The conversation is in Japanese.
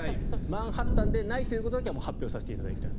マンハッタンじゃないということだけは発表させていただきたい。